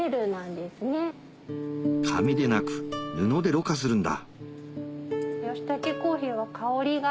紙でなく布でろ過するんだ